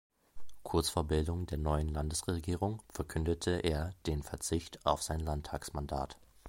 Kurz vor Bildung der neuen Landesregierung verkündete er den Verzicht auf sein Landtagsmandat.